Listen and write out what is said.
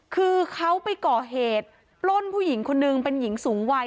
คือเขาไปก่อเหตุปล้นผู้หญิงคนนึงเป็นหญิงสูงวัย